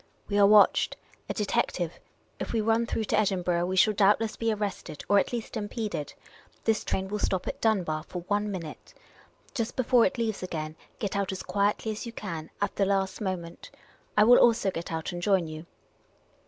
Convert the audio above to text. " We are watched. A detective ! If we run through to Edinburgh, we shall doubtless be arrested or at least impeded. This train will stop at Dunbar for one minute. Just before it leaves again, get out as quietly as you can — at the last mo ment. I will also get out and join you.